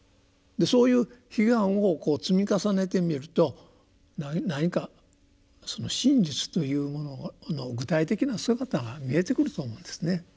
そういう悲願を積み重ねてみると何か真実というものの具体的な姿が見えてくると思うんですね。